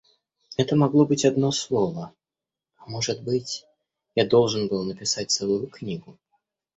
Это могло быть одно слово, а может быть, я должен был написать целую книгу.